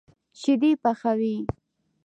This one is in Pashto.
شيدې پخوي.